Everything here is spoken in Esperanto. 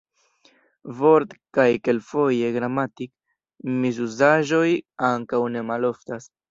Vort- kaj kelkfoje gramatik-misuzaĵoj ankaŭ ne maloftas.